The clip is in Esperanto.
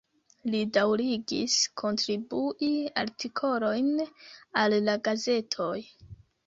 Li daŭrigis kontribui artikolojn al la gazetoj.